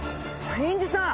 インジさん？